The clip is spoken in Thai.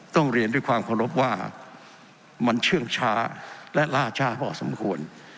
เรียนด้วยความเคารพว่ามันเชื่องช้าและล่าช้าพอสมควร